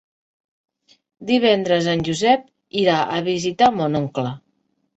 Divendres en Josep irà a visitar mon oncle.